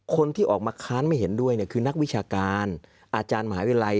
คนที่ออกมาค้านไม่เห็นด้วยคือนักวิชาการอาจารย์มหาวิทยาลัย